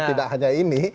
tidak hanya ini